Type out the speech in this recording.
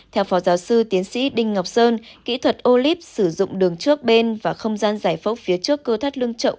theo phó giáo sư tiến sĩ đinh ngọc sơn kỹ thuật olip sử dụng đường trước bên và không gian giải phóng phía trước cơ thắt lưng trậu